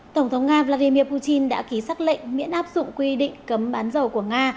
tổng thống nga vladimir putin đã ký xác lệnh miễn áp dụng quy định cấm bán dầu của nga